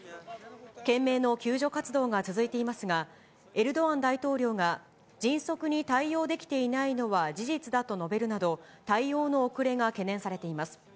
懸命の救助活動が続いていますが、エルドアン大統領が迅速に対応できていないのは事実だと述べるなど、対応の遅れが懸念されています。